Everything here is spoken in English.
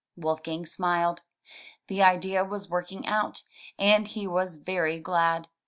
Wolfgang smiled. The idea was working out, and he was very glad.